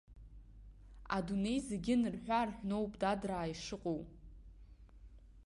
Адунеи зегьы нарҳәыаарҳәноуп, дадраа, ишыҟоу.